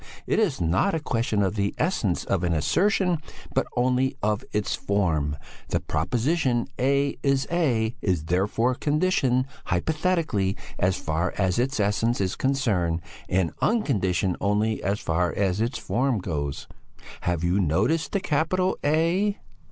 It is not a question of the essence of an assertion but only of its form. The proposition A A is therefore conditioned (hypothetically) as far as its essence is concerned, and unconditioned only as far as its form goes.' "Have you noticed the capital A?"